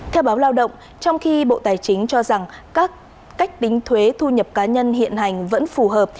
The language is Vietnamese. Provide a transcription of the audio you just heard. theo báo lao động trong khi bộ tài chính cho rằng các cách tính thuế thu nhập cá nhân hiện hành vẫn phù hợp